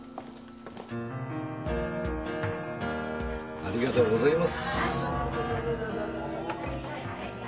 ありがとうございます。